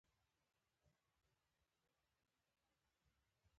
د تاسې کارکونکو همداسې لارښوونه وکړه.